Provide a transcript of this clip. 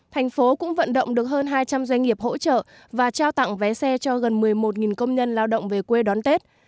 thành phố cũng vận động được hơn hai trăm linh doanh nghiệp hỗ trợ và trao tặng vé xe cho gần một mươi một công nhân lao động về quê đón tết